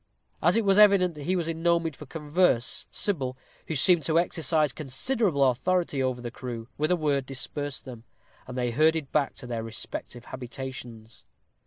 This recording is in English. As it was evident he was in no mood for converse, Sybil, who seemed to exercise considerable authority over the crew, with a word dispersed them, and they herded back to their respective habitations.